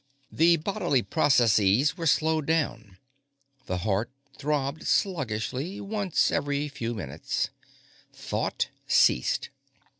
The bodily processes were slowed down; the heart throbbed sluggishly, once every few minutes; thought ceased.